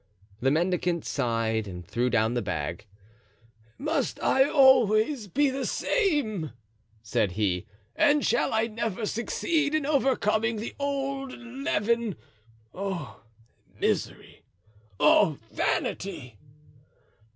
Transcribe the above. The mendicant sighed and threw down the bag. "Must I always be the same?" said he, "and shall I never succeed in overcoming the old leaven? Oh, misery, oh, vanity!"